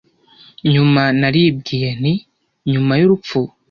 nyuma naribwiye nti nyuma y'urupfu